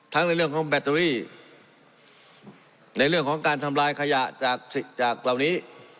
ในเรื่องของแบตเตอรี่ในเรื่องของการทำลายขยะจากเหล่านี้